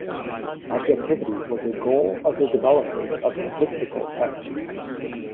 Objectivity was a goal of the developers of statistical tests.